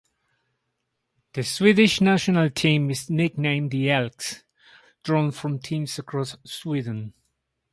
The Swedish National team is nicknamed the Elks, drawn from teams across Sweden.